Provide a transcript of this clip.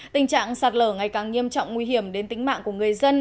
tình trạng sạt lở ngày càng nghiêm trọng nguy hiểm đến tính mạng của người dân